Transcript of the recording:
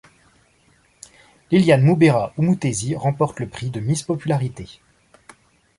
Liliane Mubera Umutesi remporte le prix de Miss Popularité.